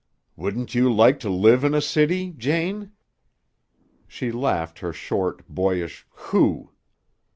"Wouldn't you like to live in a city, Jane?" She laughed her short, boyish "Hoo!"